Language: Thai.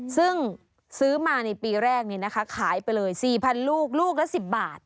ซึ่งซื้อมาในปีแรกนี้นะคะขายไปเลย๔๐๐ลูกลูกละ๑๐บาท